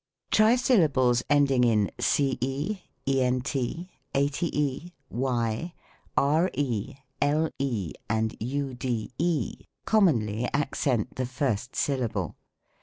Trisyllables ending in ce, ent, ate, y, re, Ze, and ude, commonly accent the first syllable.